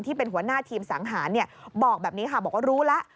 ที่เป็นหัวหน้าทีมสังหารบอกแบบนี้ค่ะบอกว่ารู้แล้ว